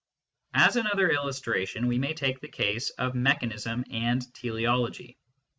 As another illustration we may take the case of mechanism and teleology.